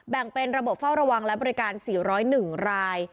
แบ่งเป็นระบบเฝ้าระวังและบริการ๔๐๑ราย